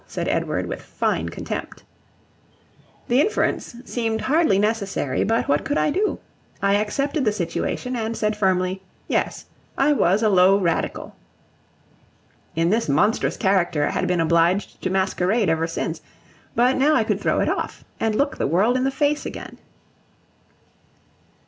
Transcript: said Edward, with fine contempt. The inference seemed hardly necessary, but what could I do? I accepted the situation, and said firmly, Yes, I was a low Radical. In this monstrous character I had been obliged to masquerade ever since; but now I could throw it off, and look the world in the face again.